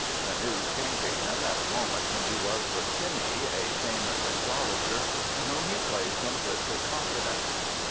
The news came to him at a moment when he was with Seni, a famous astrologer, in whom he placed implicit confidence.